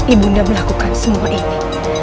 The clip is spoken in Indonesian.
ibu nda melakukan semua ini